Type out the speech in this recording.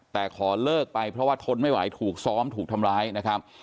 แต่ขอเลิกไปเพราะว่าทนไม่ไหวถูกซ้อมถูกทำร้ายนะครับ